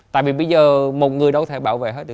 tại vì bây giờ một người đâu thể bảo vệ hết